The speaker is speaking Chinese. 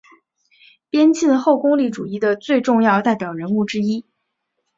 边沁后功利主义的最重要代表人物之一。